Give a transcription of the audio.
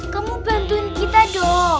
kamu bantuin kita dong